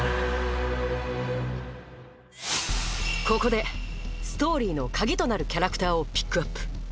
ここでストーリーの鍵となるキャラクターをピックアップ！